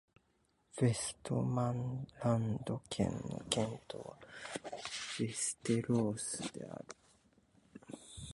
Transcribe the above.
ヴェストマンランド県の県都はヴェステロースである